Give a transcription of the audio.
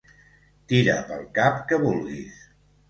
Tira pel cap que vulguis.